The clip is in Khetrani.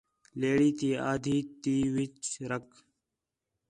لیڑی تی آدھی تی ون٘ڄ کر